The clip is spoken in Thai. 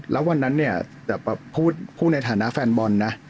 แล้ววันนั้นเนี่ยพูดในฐานะแฟนบอลนะ